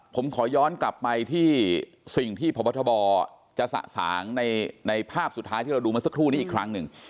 ผมขอย้อนกลับไปที่สิ่งที่พบทบจะสะสางในภาพสุดท้ายที่เราดูเมื่อสักครู่นี้อีกครั้งหนึ่ง